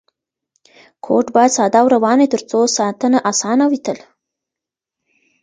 کوډ باید ساده او روان وي ترڅو ساتنه اسانه وي تل.